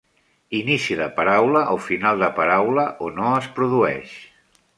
Inici de paraula o final de paraula o no es produeix.